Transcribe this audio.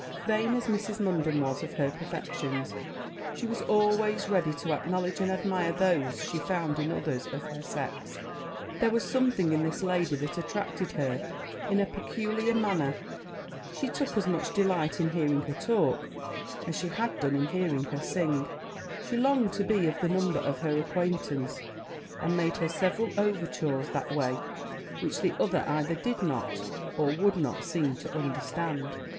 Vain as Mrs. Munden was of her perfections, she was always ready to acknowledge and admire those she found in others of her sex. There was something in this lady, that attracted her in a peculiar manner; she took as much delight in hearing her talk, as she had done in hearing her sing; she longed to be of the number of her acquaintance, and made her several overtures that way; which the other either did not, or would not, seem to understand.